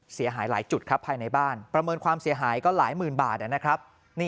เสียหายหลายจุดครับภายในบ้านประเมินความเสียหายก็หลายหมื่นบาทนะครับ